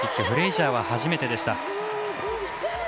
フレイジャーは初めてでした。